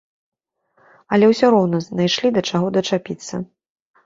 Але ўсё роўна знайшлі да чаго дачапіцца.